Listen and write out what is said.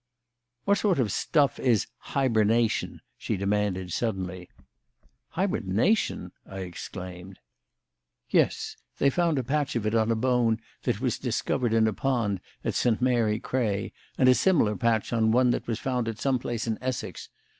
"What sort of stuff is 'hibernation'?" she demanded suddenly. "Hibernation!" I exclaimed. "Yes. They found a patch of it on a bone that was discovered in a pond at St. Mary Cray, and a similar patch on one that was found at some place in Essex.